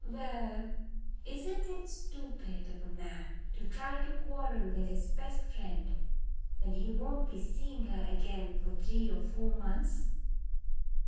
"Well, isn't it stupid of a man to try to quarrel with his best friend when he won't be seeing her again for three or four months?"